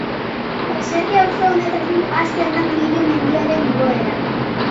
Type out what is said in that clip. Baserri-auzo honetatik hasten da Mello mendiaren igoera.